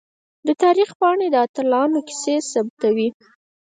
د تاریخ پاڼې د اتلانو کیسې ثبتوي.